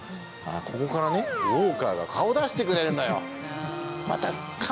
ここからウォーカーが顔を出してくれるのよ。